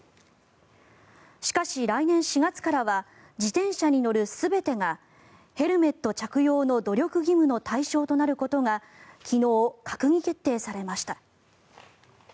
しかし、来年４月からは自転車に乗る全てがヘルメット着用の努力義務の対象となることが昨日、閣議決定されました。